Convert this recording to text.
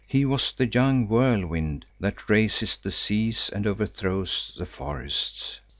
He was the young whirlwind, that raises the seas and overthrows the forests.